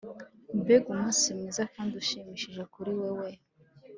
mbega umunsi mwiza kandi ushimishije kuri wewe